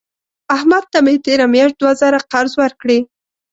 احمد ته مې تېره میاشت دوه زره قرض ورکړې.